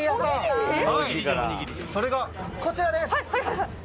それが、こちらです！